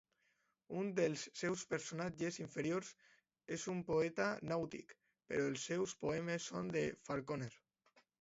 Un dels seus personatges inferiors és un poeta nàutic, però els seus poemes són de Falconer.